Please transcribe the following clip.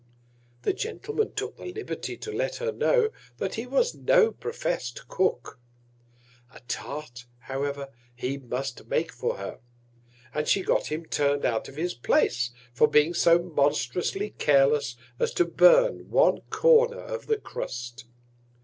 The Gentleman took the Liberty to let her know, that he was no profess'd Cook; a Tart, however, he must make for her, and she got him turn'd out of his Place for being so monstrously careless, as to burn one Corner of the Crust.